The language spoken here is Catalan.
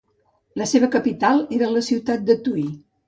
La seva capital era la ciutat de Tui.